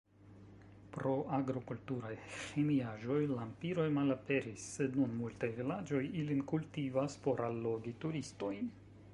Pro agrokulturaj ĥemiaĵoj lampiroj malaperis, sed nun multaj vilaĝoj ilin kultivas por allogi turistojn.